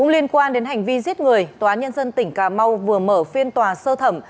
liên quan đến hành vi giết người tòa nhân dân tỉnh cà mau vừa mở phiên tòa sơ thẩm